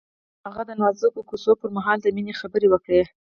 هغه د نازک کوڅه پر مهال د مینې خبرې وکړې.